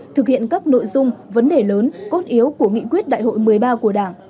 thực hiện các nội dung vấn đề lớn cốt yếu của nghị quyết đại hội một mươi ba của đảng